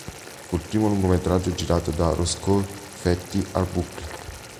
Fu il primo lungometraggio girato da Roscoe 'Fatty' Arbuckle.